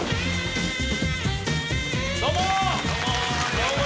どうも！